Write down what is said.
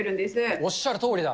おっしゃるとおりだ。